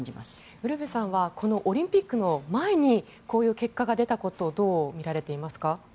ウルヴェさんはオリンピックの前にこういう結果が出たことをどう見られていますか。